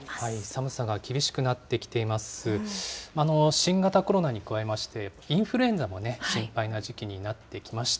新型コロナに加えまして、インフルエンザもね、心配な時期になってきました。